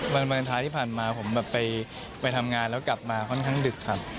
วันวาเลนไทยที่ผ่านมาผมแบบไปทำงานแล้วกลับมาค่อนข้างดึกครับ